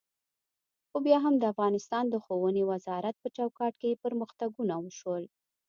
خو بیا هم د افغانستان د ښوونې د وزارت په چوکاټ کې پرمختګونه وشول.